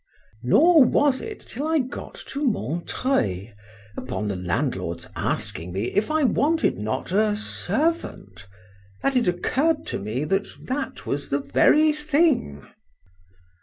—Nor was it till I got to Montreuil, upon the landlord's asking me if I wanted not a servant, that it occurred to me, that that was the very thing.